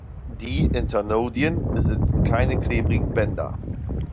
Die Internodien besitzen keine klebrigen Bänder.